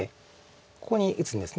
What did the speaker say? ここに打つんです。